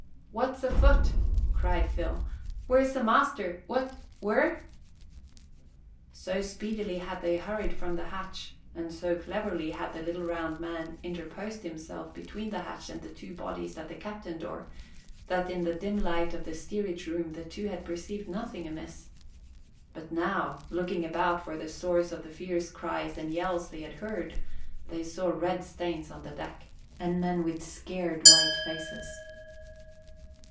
"What's afoot?" cried Phil. "Where's the master? what where " So speedily had they hurried from the hatch (and so cleverly had the little round man interposed himself between the hatch and the two bodies at the cabin door) that in the dim light of the steerage room the two had perceived nothing amiss. But now, looking about for the source of the fierce cries and yells they had heard, they saw red stains on the deck, and men with scared white faces.